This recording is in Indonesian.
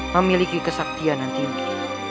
memiliki kesaktian yang tinggi